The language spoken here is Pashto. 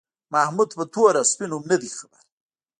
محمود په تور او سپین هم نه دی خبر.